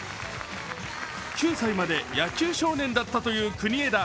９歳まで野球少年だったという国枝。